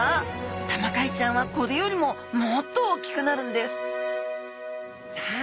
タマカイちゃんはこれよりももっとおっきくなるんですさあ